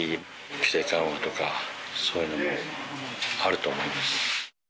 規制緩和とか、そういうのもあると思います。